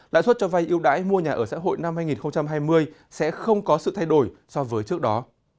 lãi suất cho vay yêu đãi mua nhà ở xã hội năm hai nghìn hai mươi sẽ không có sự thay đổi so với trước đó